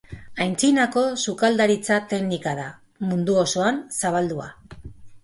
Aintzinako sukaldaritza teknika da, mundu osoan zabaldua.